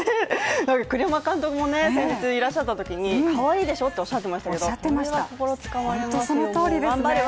栗山監督も先日、いらっしゃったときにかわいいでしょっておっしゃってましたけれどもこれは心つかまれますよ、頑張るわ。